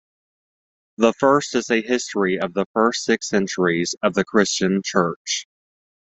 The first is a history of the first six centuries of the Christian Church.